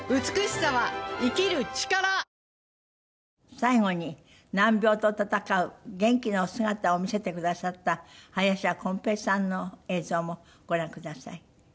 最後に難病と闘う元気なお姿を見せてくださった林家こん平さんの映像もご覧ください。